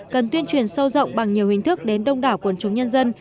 cần tuyên truyền sâu rộng bằng nhiều hình thức đến đông đảo quần chúng nhân dân